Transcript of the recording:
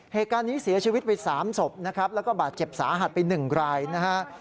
เหตุการณ์นี้เสียชีวิตไป๓ศพนะครับแล้วก็บาดเจ็บสาหัสไป๑รายนะฮะ